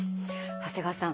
長谷川さん